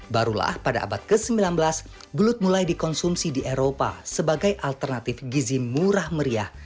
barulah pada abad ke sembilan belas belut mulai dikonsumsi di eropa sebagai alternatif gizi murah meriah